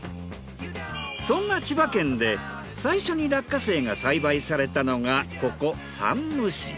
そんな千葉県で最初に落花生が栽培されたのがここ山武市。